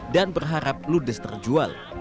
dan berharap ludes terjual